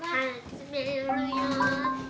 始めるよ。